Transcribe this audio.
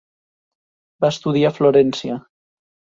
Va estudiar a Florència.